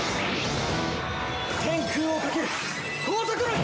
天空を駆ける高速の光！